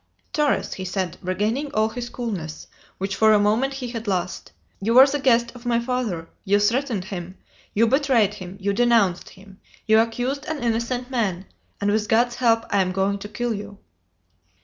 "Torres," he said, regaining all his coolness, which for a moment he had lost; "you were the guest of my father, you threatened him, you betrayed him, you denounced him, you accused an innocent man, and with God's help I am going to kill you!"